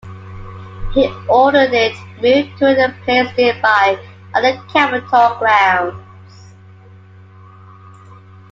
He ordered it moved to a place nearby on the capitol grounds.